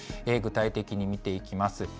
具体的に見ていきます。